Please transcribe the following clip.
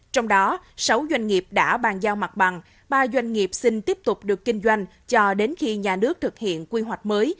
trong đó sáu doanh nghiệp đã bàn giao mặt bằng ba doanh nghiệp xin tiếp tục được kinh doanh cho đến khi nhà nước thực hiện quy hoạch mới